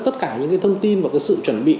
tất cả những cái thông tin và cái sự chuẩn bị